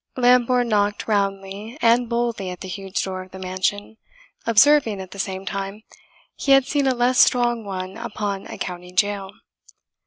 Lambourne knocked roundly and boldly at the huge door of the mansion, observing, at the same time, he had seen a less strong one upon a county jail.